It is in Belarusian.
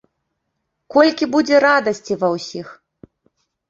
Колькі будзе радасці ва ўсіх!